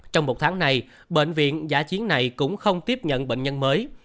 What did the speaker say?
trong một tháng này bệnh viện giả chiến này cũng không tiếp nhận bệnh nhân mới